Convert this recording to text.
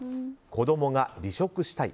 子供が、離職したい。